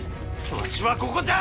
わしはここじゃ！